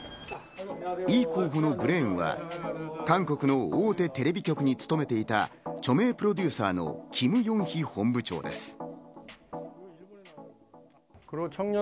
イ候補のブレーンは韓国の大手テレビ局に勤めていた著名プロデューサーのキム・ヨンヒ本部長です。